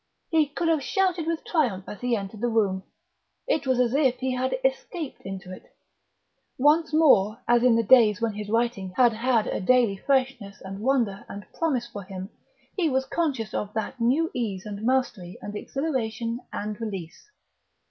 He could have shouted with triumph as he entered the room; it was as if he had escaped into it. Once more, as in the days when his writing had had a daily freshness and wonder and promise for him, he was conscious of that new ease and mastery and exhilaration and release.